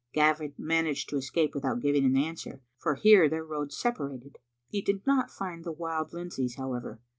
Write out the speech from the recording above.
Gavin managed to escape without giving an answer, for here their roads separated. He did not find the Wild Lindsays, however.